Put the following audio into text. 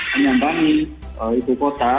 menyambangi ibu kota